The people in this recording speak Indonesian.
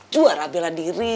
juara bela diri